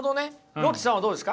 ロッチさんはどうですか？